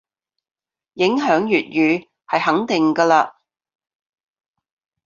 影響粵語係肯定嘅嘞